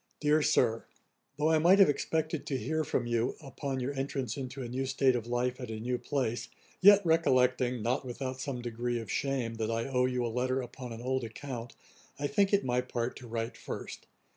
'DEAR SIR, 'Though I might have expected to hear from you, upon your entrance into a new state of life at a new place, yet recollecting, (not without some degree of shame,) that I owe you a letter upon an old account, I think it my part to write first.